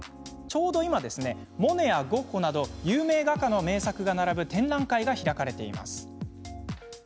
ちょうど今、モネやゴッホなど有名画家の名作が並ぶ展覧会が開かれています。